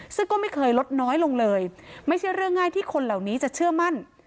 ซึ่งก็ไม่เคยลดน้อยลงเลยไม่ใช่เรื่องง่ายที่คนเหล่านี้จะเชื่อมั่น